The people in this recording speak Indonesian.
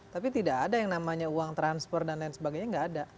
tapi tidak ada yang namanya uang transfer dan lain sebagainya tidak ada